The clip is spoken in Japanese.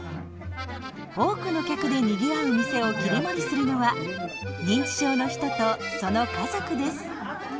多くの客でにぎわう店を切り盛りするのは認知症の人とその家族です。